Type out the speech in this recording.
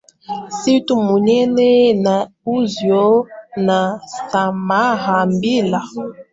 msitu mnene na usio na msamaha Bila